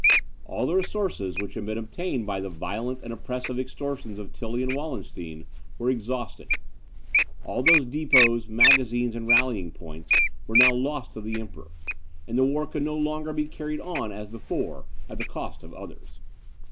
All the resources which had been obtained by the violent and oppressive extortions of Tilly and Wallenstein were exhausted; all these depots, magazines, and rallying points, were now lost to the Emperor; and the war could no longer be carried on as before at the cost of others.